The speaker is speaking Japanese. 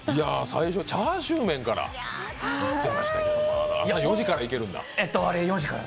最初、チャーシューメンから出てましたけど、朝４時からいけるんだ。